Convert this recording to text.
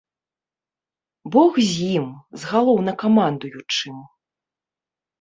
Бог з ім, з галоўнакамандуючым.